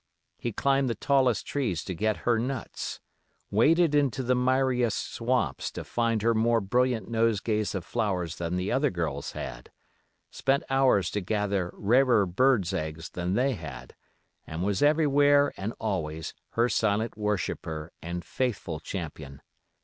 He climbed the tallest trees to get her nuts; waded into the miriest swamps to find her more brilliant nosegays of flowers than the other girls had; spent hours to gather rarer birds' eggs than they had, and was everywhere and always her silent worshipper and faithful champion.